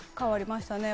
変わりましたね。